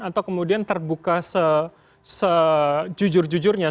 atau kemudian terbuka sejujur jujurnya